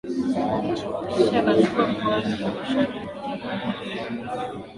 kisha akachukua pwani ya mashariki ya Bahari ya